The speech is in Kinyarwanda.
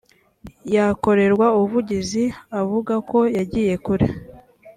yakorerwa ubuvugizi avuga ko yagiye kure